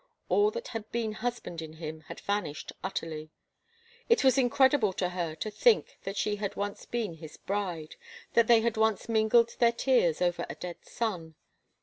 All that had been husband in him had vanished utterly. It was incredible to her to think that she had once been his bride, that they had once mingled their tears over a dead son.